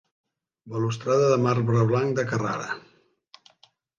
Balustrada de marbre blanc de Carrara.